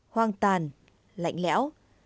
hoang tàn lạnh lẽo